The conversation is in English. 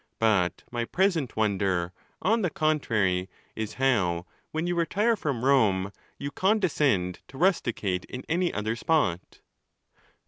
But my present wonder, on the contrary, is, how, when you retire from Rome, you condescend to rusticate in any other spot.